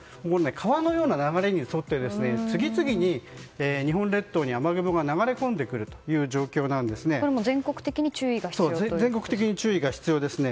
川のような流れに沿って次々に日本列島に雨雲が流れ込んでくるというこれは全国的に全国的に注意が必要ですね。